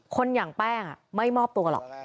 คนอย่างแป้งไม่มอบตัวหรอก